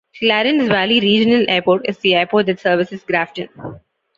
Clarence Valley Regional Airport is the airport that services Grafton.